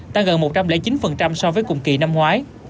tăng gần một trăm linh chín so với cùng kỳ năm ngoái